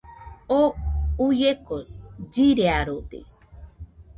Oo uieko chiriarode.